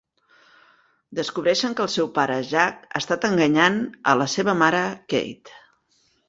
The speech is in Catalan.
Descobreixen que el seu pare Jack ha estat enganyant a la seva mare Kate.